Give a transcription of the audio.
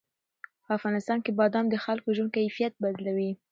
په افغانستان کې بادام د خلکو د ژوند کیفیت بدلوي.